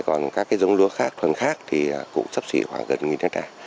còn các dống lúa khác thuần khác cũng sắp xỉ khoảng gần một hecta